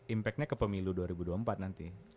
impactnya ke pemilu dua ribu dua puluh empat nanti